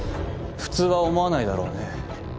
普通は思わないだろうね。